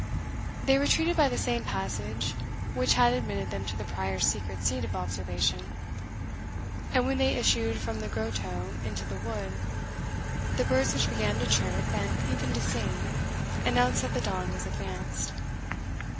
They retreated by the same passage which had admitted them to the prior's secret seat of observation, and when they issued from the grotto into the wood, the birds which began to chirp, and even to sing, announced that the dawn was advanced.